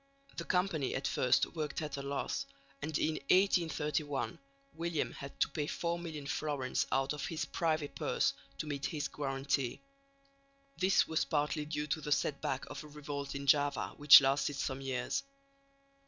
The Company at first worked at a loss, and in 1831 William had to pay four million florins out of his privy purse to meet his guarantee. This was partly due to the set back of a revolt in Java which lasted some years.